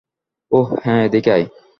ওহ, হ্যাঁ, এদিকে আয়।